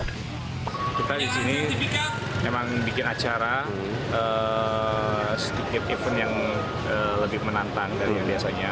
kita di sini memang bikin acara sedikit event yang lebih menantang dari yang biasanya